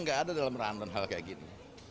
mereka tidak ada dalam randang hal seperti ini